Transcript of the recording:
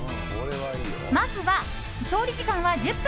まずは、調理時間は１０分。